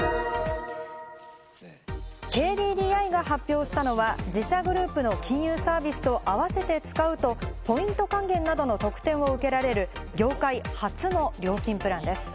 ＫＤＤＩが発表したのは自社グループの金融サービスと合わせて使うとポイント還元などの特典を受けられる業界初の料金プランです。